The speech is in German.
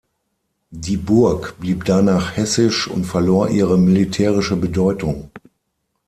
Die Burg blieb danach hessisch und verlor ihre militärische Bedeutung.